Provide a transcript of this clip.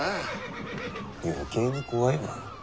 余計に怖いわ。